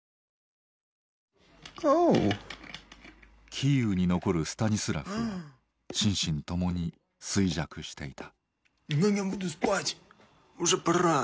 キーウに残るスタニスラフは心身ともに衰弱していた。